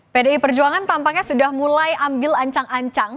pdi perjuangan tampaknya sudah mulai ambil ancang ancang